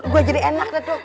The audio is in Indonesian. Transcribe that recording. gue jadi enak datu